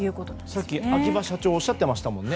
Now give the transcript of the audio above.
さっき秋葉社長がおっしゃっていましたもんね。